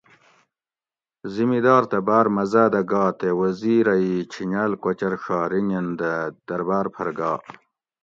زمیدار تہ باۤر مزاۤ دہ گا تے وزیر اۤ ای چھینجاۤل کوچر ڛا رینگین دہ درباۤر پھر گا